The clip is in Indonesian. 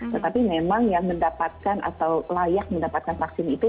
tetapi memang yang mendapatkan atau layak mendapatkan vaksin itu